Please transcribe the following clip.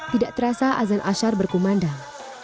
tidak terasa azan asyar berkumandang